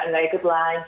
oh nggak ikut lunch